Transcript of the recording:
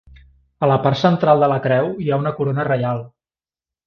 A la part central de la creu hi ha una corona reial.